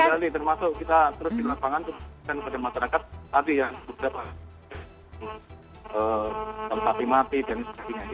terkendali termasuk kita terus di lapangan dan pada masyarakat tadi yang sudah tempat imati dan sebagainya